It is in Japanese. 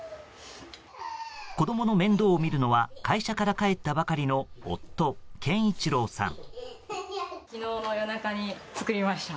子供の面倒を見るのは会社から帰ったばかりの夫・健一郎さん。